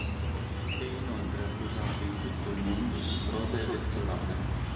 È inoltre accusato in tutto il mondo di frode elettorale.